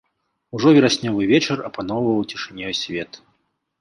Ужо вераснёвы вечар апаноўваў цішынёй свет.